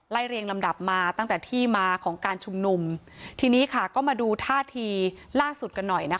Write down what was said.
เรียงลำดับมาตั้งแต่ที่มาของการชุมนุมทีนี้ค่ะก็มาดูท่าทีล่าสุดกันหน่อยนะคะ